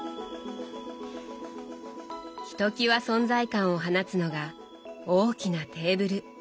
ひときわ存在感を放つのが大きなテーブル。